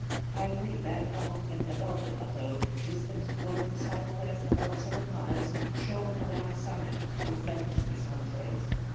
Finally, back of and above the plateau, distant towards the northwest about seven miles, shone a white summit, reflecting the sun's rays.